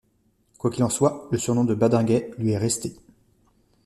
Quoi qu'il en soit, le surnom de Badinguet lui est resté.